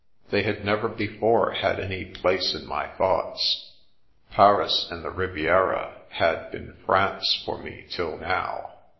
They had never before had any place in my thoughts. Paris and the Riviera had been France for me till now.